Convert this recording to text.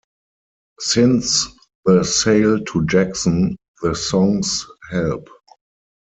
Since the sale to Jackson, the songs Help!